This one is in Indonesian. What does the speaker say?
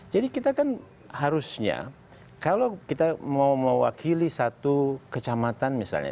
jadi kita kan harusnya kalau kita mau mewakili satu kecamatan misalnya